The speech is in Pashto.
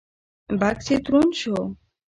بکس يې دروند شو.